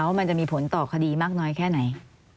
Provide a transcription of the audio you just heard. ว่ามันจะมีผลต่อคดีมากน้อยแค่ไหน